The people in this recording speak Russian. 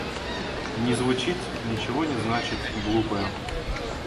Не звучит, ничего не значит, глупое.